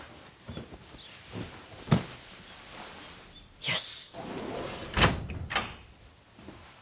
よし。